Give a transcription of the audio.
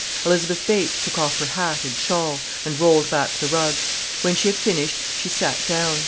Elizabeth Bates took off her hat and shawl, and rolled back the rug. When she had finished, she sat down.